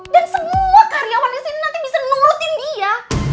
dan semua karyawannya sini nanti bisa nurutin dia